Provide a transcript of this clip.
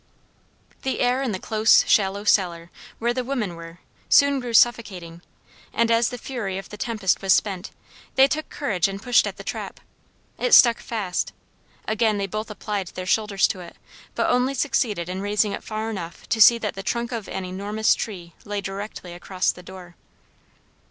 The air in the close shallow cellar, where the women were, soon grew suffocating, and as the fury of the tempest was spent, they took courage and pushed at the trap. It stuck fast; again they both applied their shoulders to it but only succeeded in raising it far enough to see that the trunk of an enormous tree lay directly across the door.